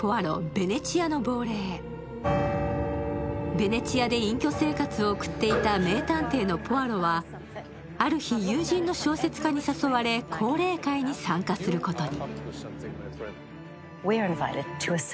ベネチアで隠居生活を送っていた名探偵のポアロはある日、友人の小説家に誘われ、降霊会に参加することに。